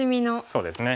そうですね。